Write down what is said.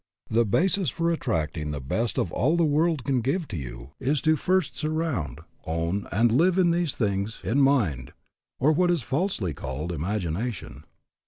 "The basis for attracting the best of all the world can give to you is to first surround, own, and live in these things in mind, or what is falsely called imagination.